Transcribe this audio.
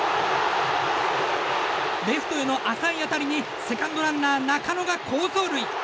レフトへの浅い当たりにセカンドランナー中村が好走塁。